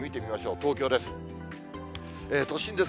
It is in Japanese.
東京です。